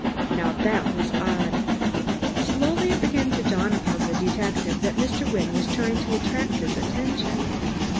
Now that was odd. Slowly it began to dawn upon the detective that Mr. Wynne was trying to attract his attention.